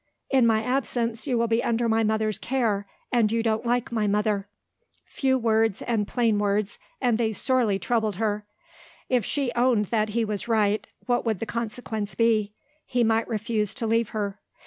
"In my absence, you will be under my mother's care. And you don't like my mother." Few words and plain words and they sorely troubled her. If she owned that he was right, what would the consequence be? He might refuse to leave her.